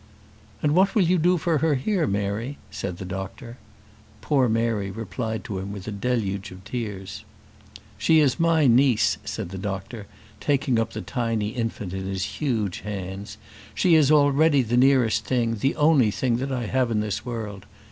"And what will you do for her here, Mary?" said the doctor. Poor Mary replied to him with a deluge of tears. "She is my niece," said the doctor, taking up the tiny infant in his huge hands; "she is already the nearest thing, the only thing that I have in this world.